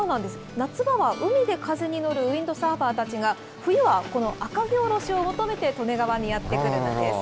夏場は海で風に乗るウインドサーファーたちが、冬はこの赤城おろしを求めて利根川にやって来るのです。